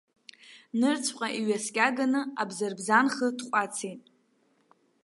Нырцәҟа иҩаскьаганы абзарбзан-хы тҟәацит.